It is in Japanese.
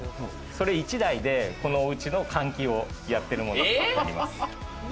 それ１台で、このお家の換気をやってるものがあります。